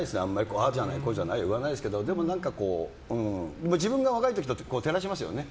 ああじゃない、こうじゃないとは言わないですけどでも、自分が若い時と照らし合わせますよね。